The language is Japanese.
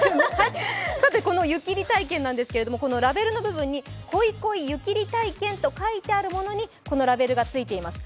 さてこの湯切り体験なんですけれどもこのラベルのところに「濃い濃い湯切り体験」と書いてあるものに、このラベルが付いています。